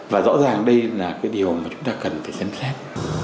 và rõ ràng đây là cái điều mà chúng ta cần phải xem xét